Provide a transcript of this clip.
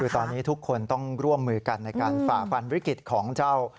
ตอนนี้ทุกคนต้องร่วมมือกันในการฝ่าฟันวิกฤตของเจ้า